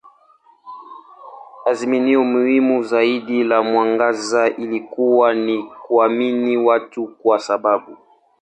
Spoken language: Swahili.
Azimio muhimu zaidi la mwangaza lilikuwa ni kuamini watu kwa sababu.